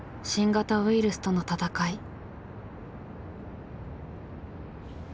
新型ウイルスとの闘い。